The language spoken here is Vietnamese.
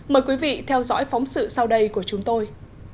mời quý vị theo dõi phóng sự sau đây của chúng tôi